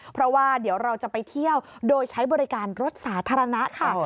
เพราะว่าเดี๋ยวเราจะไปเที่ยวโดยใช้บริการรถสาธารณะค่ะ